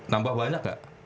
nambah banyak nggak